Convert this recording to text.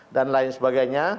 dan lain sebagainya